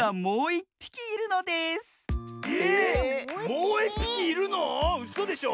もういっぴきいるの⁉うそでしょ。